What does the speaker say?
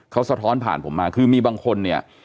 เขาสะท้อนผ่านผมมาคือมีบางคนเนี่ย